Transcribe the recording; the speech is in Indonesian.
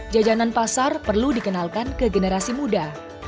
jajanan pasar perlu dikenalkan ke generasi muda